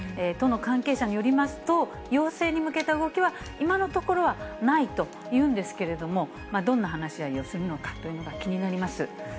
都の関係者によりますと、要請に向けた動きは、今のところはないというんですけれども、どんな話し合いをするのかというのが気になります。